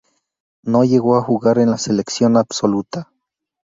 No llegó a jugar con la selección absoluta.